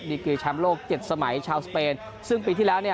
ดีกว่าแชมป์โลก๗สมัยชาวสเปนซึ่งปีที่แล้วเนี่ย